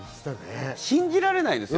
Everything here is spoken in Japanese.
信じられないですよ。